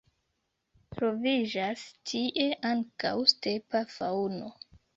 Troviĝas tie ankaŭ stepa faŭno.